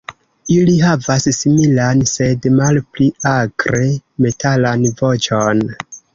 Ili havas similan, sed malpli akre metalan voĉon.